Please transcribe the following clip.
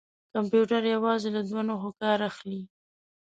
کمپیوټر یوازې له دوه نښو کار اخلي.